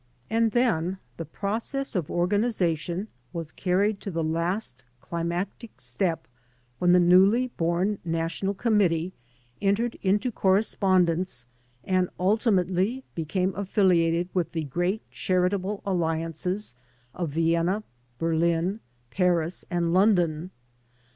And then the process of organ ization was carried to the last climactic step when the newly bom national committee entered into corre spondence and ultimately became affiliated with the great charitable alliances of Vienna, Berlin, Paris, and London.